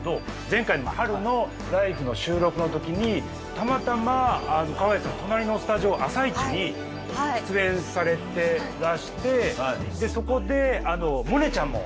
前回「春」の「ＬＩＦＥ！」の収録のときにたまたま川栄さん隣のスタジオ「あさイチ」に出演されてらしてでそこで萌音ちゃんも出演されて。